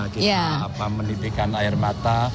kita menitikan air mata